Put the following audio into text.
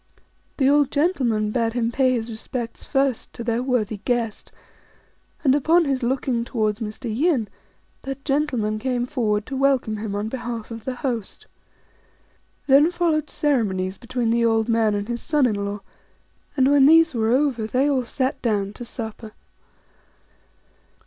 The old gentleman bade him pay his respects first to their worthy guest; and upon his looking towards Mr. Yin, that gentleman came forward to welcome him on behalf of the host. Then followed ceremonies between the old man and his son in law ; and when these were over, they all sat down to supper.